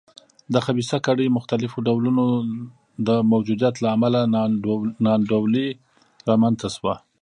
د خبیثه کړۍ مختلفو ډولونو د موجودیت له امله نا انډولي رامنځته شوه.